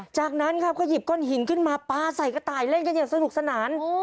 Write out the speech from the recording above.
จากนั้นครับก็หยิบก้อนหินขึ้นมาปลาใส่กระต่ายเล่นกันอย่างสนุกสนาน